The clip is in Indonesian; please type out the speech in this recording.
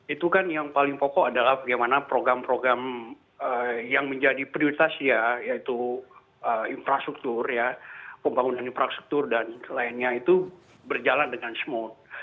itu kan yang paling pokok adalah bagaimana program program yang menjadi prioritas dia yaitu infrastruktur pembangunan infrastruktur dan lainnya itu berjalan dengan smooth